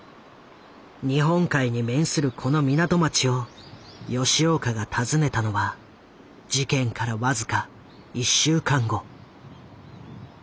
日本海に面するこの港町を吉岡が訪ねたのは事件からわずか１週間後。